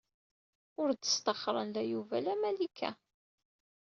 Ur d-sṭaxxren la Yuba la Malika.